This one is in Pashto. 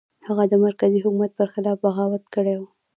هغه د مرکزي حکومت پر خلاف بغاوت کړی و.